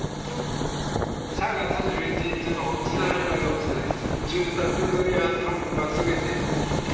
３月１１日の津波の様子です。